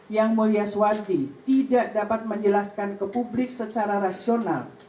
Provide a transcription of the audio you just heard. yang mulia suwandi tidak dapat menjelaskan ke publik secara rasional